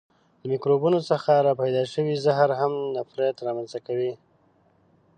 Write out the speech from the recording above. له میکروبونو څخه را پیدا شوی زهر هم نفریت را منځ ته کوي.